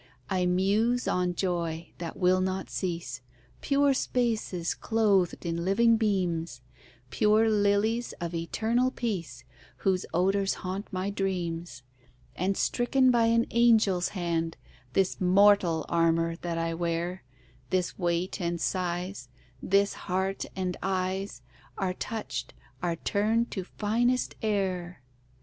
I muse on joy that will not cease, Pure spaces clothed in living beams, Pure lilies of eternal peace, Whose odours haunt my dreams; And, stricken by an angel's hand, This mortal armour that I wear, This weight and size, this heart and eyes, Are touch'd, are turn'd to finest air.